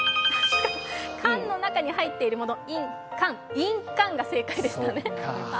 缶の中に入っているもの、イン缶、印鑑が正解でしたね。